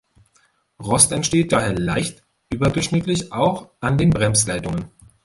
Rost entsteht daher leicht überdurchschnittlich, auch an den Bremsleitungen.